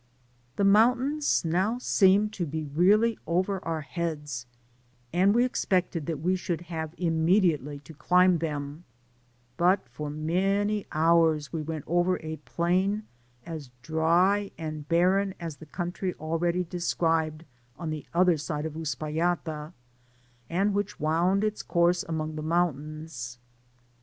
The mountains now seemed to be really over our heads, and we expected that we should have imme ^ diately to climb them, but for many hours we went over a plain as dry and barren as the country already described on the other side of Uspallata, and which wound its course among the mountains.